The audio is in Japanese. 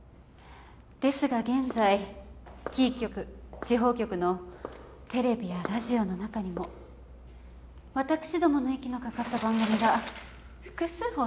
ですが現在キー局地方局のテレビやラジオの中にも私どもの息のかかった番組が複数放送されているんですよ。